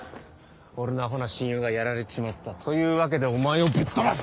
俺のアホな親友がやられちまったというわけでお前をぶっ飛ばす！